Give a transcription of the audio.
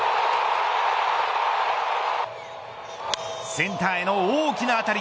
センターへの大きな当たり。